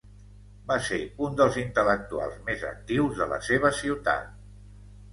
Va ser un dels intel·lectuals més actius de la seva ciutat.